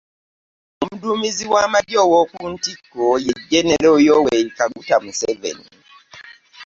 Omuduumizi w'amagye ow'oku ntikko, ye jjenero Yoweri Kaguta Museveni